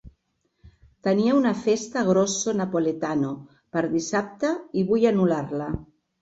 Tenia una festa a Grosso Napoletano per dissabte i vull anul·lar-la.